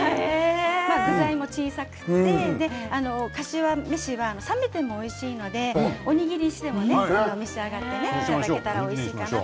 具材も小さくてかしわ飯は冷めてもおいしいのでおにぎりにしても召し上がっていただけたらおいしいかなと。